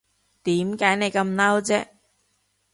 點解你咁嬲啫